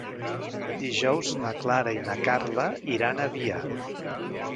Dijous na Clara i na Carla iran a Avià.